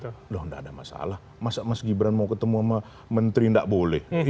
pun misalkan beberapa waktu yang lalu gibran ketemu dengan pak jokowi